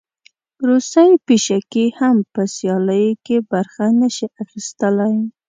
روسۍ پیشکې هم په سیالیو کې برخه نه شي اخیستلی.